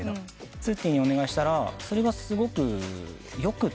すってぃにお願いしたらそれがすごくよくて。